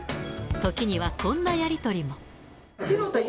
時にはこんなやり取りも。